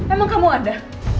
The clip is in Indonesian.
emang kamu ada